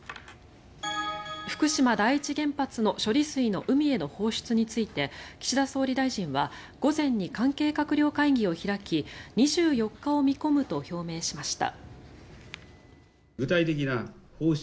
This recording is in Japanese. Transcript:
福島第一原発の処理水の海への放出について岸田総理大臣は午前に関係閣僚会議を開き２４日を見込むと表明しました。